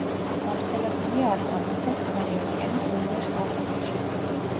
გავრცელებულია ატლანტის და წყნარი ოკეანის ზომიერ სარტყელში.